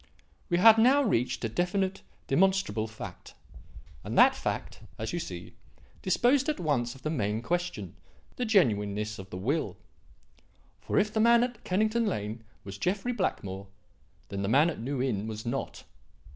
We had now reached a definite, demonstrable fact; and that fact, as you see, disposed at once of the main question the genuineness of the will. For if the man at Kennington Lane was Jeffrey Blackmore, then the man at New Inn was not.